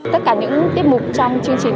tất cả những tiết mục trong chương trình